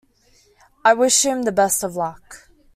I wish him the best of luck.